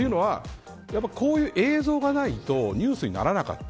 というのは、こういう映像がないとニュースにならなかった。